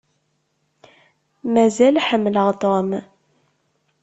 Mazal ḥemmleɣ Tom.